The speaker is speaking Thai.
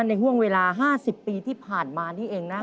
ห่วงเวลา๕๐ปีที่ผ่านมานี่เองนะ